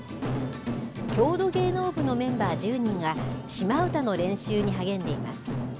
郷土芸能部のメンバー１０人がシマ唄の練習に励んでいます。